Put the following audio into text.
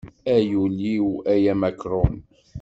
Ay ul-iw ay amakrun.